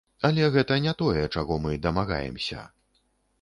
Але гэта не тое, чаго мы дамагаемся.